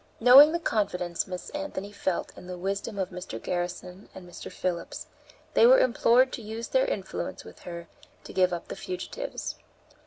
Knowing the confidence Miss Anthony felt in the wisdom of Mr. Garrison and Mr. Phillips, they were implored to use their influence with her to give up the fugitives.